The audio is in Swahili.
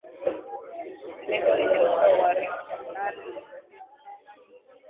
tetemeko lenye ukubwa wa richa nane nukta tisa